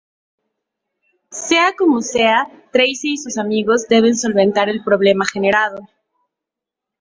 Sea como sea, Tracey y sus amigos deben solventar el problema generado.